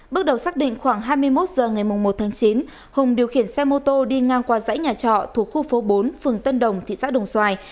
bước đầu xác định khoảng hai mươi một h ngày một tháng chín hùng điều khiển xe mô tô đi ngang qua dãy nhà trọ thuộc khu phố bốn phường tân đồng thị xã đồng xoài